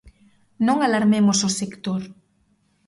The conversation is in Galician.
Non alarmemos o sector.